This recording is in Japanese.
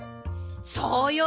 そうよ。